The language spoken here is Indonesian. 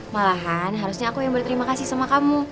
malahan harusnya aku yang berterima kasih sama kamu